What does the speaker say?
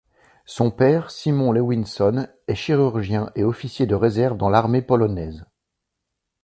Son père, Szymon Lewinson, est chirurgien et officier de réserve dans l'armée polonaise.